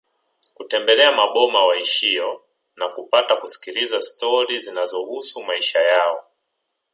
Kutembelea maboma waishio na kupata kusikiliza stori zinazohusu maisha yao